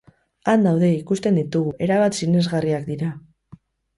Han daude, ikusten ditugu, erabat sinesgarriak dira.